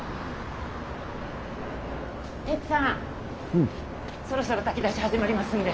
テツさんそろそろ炊き出し始まりますんで。